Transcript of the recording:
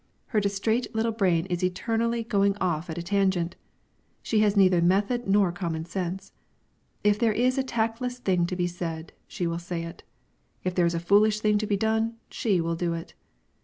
her distrait little brain is eternally going off at a tangent; she has neither method nor common sense. If there is a tactless thing to be said, she will say it. If there is a foolish thing to be done, she will do it.